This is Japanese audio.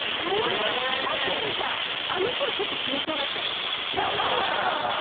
確かに、あのころちょっと死にそうだったよね。